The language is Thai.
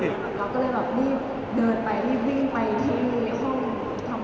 เราก็เรียบเดินไปรีบยิ่งไปที่ห้องทำผม